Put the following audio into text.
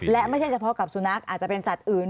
และไม่ใช่เฉพาะกับสุนัขอาจจะเป็นสัตว์อื่น